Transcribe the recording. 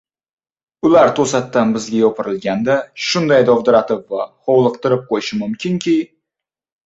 ular to‘satdan bizga yopirilganda shunday dovdiratib va hovliqtirib qo‘yishi mumkinki